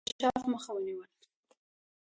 ضدیت د انکشاف مخه ونیوله.